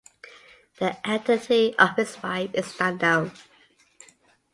The identity of his wife is not known.